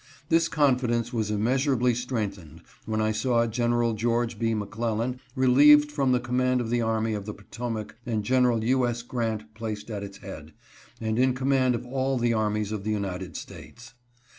This confidence was immeasurably strengthened when I saw Gen. George B. McClellan relieved from the com mand of the army of the Potomac and Gen. U. S. Grant 434 m'clellan and grant. placed at its head, and in command of all the armies of the United States.